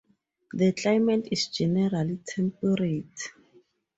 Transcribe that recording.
The climate is generally temperate.